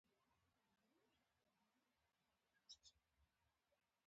عطايي د ادبي اصولو پابند و.